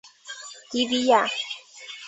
蒂蒂雅。